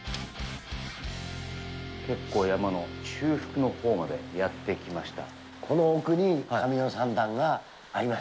結構、山の中腹のほうまでやってきました。